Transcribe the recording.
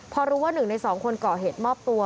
พอรู้ว่าหนึ่งในสองคนเกาะเหตุมอบตัว